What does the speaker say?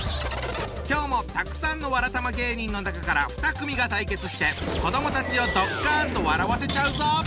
今日もたくさんのわらたま芸人の中から２組が対決して子どもたちをドッカンと笑わせちゃうぞ！